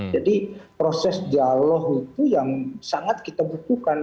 proses dialog itu yang sangat kita butuhkan